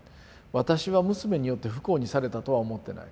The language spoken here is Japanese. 私は娘によって不幸にされたとは思ってない。